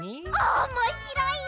おもしろいよ！